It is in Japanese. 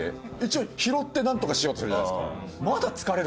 一応拾ってなんとかしようとするじゃないですか。